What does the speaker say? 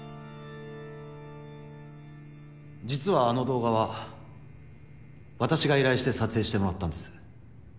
実はあの動画は私が依頼して撮影してもらったんです。